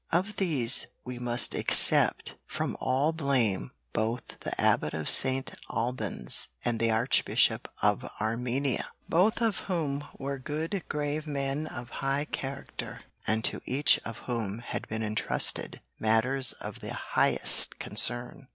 Of these we must except from all blame both the Abbot of St. Albans and the Archbishop of Armenia, both of whom were good grave men of high character and to each of whom had been entrusted matters of the highest concern.